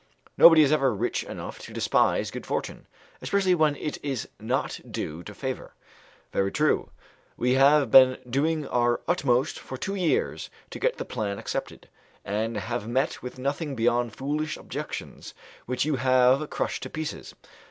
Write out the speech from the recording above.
"Nobody is ever rich enough to despise good fortune, especially when it is not due to favour." "Very true. We have been doing our utmost for two years to get the plan accepted, and have met with nothing beyond foolish objections which you have crushed to pieces.